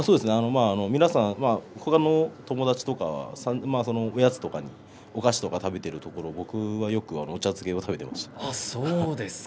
皆さん、ほかの友達とかおやつとかにお菓子とか食べているところ僕は、よくお茶漬けを食べていました。